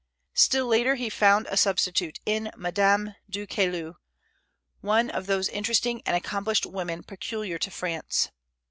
Still later he found a substitute in Madame du Caylus, one of those interesting and accomplished women peculiar to France.